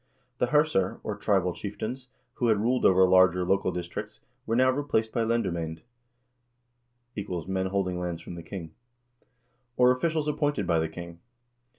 The herser, or tribal chieftains, who had ruled over larger local districts, were now replaced by lendermamd (= men holding lands from the king), or officials appointed by the king.